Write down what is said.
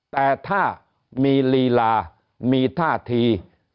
แต่ถ้ามีลีลามีท่าที